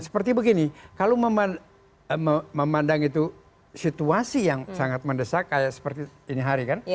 seperti begini kalau memandang situasi yang sangat mendesak seperti hari ini kan